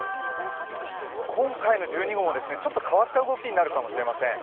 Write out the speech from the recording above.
今回の１２号もちょっと変わった動きになるかもしれません。